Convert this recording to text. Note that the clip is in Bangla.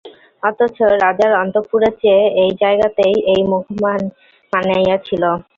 অথচ, রাজার অন্তঃপুরের চেয়ে এই জায়গাতেই এই মুখখানি মানাইয়াছিল।